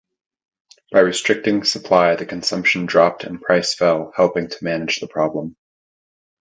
By restricting supply the consumption dropped and price fell helping to manage the problem.